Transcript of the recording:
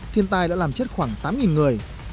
thiên tai đã làm chết khoảng tám người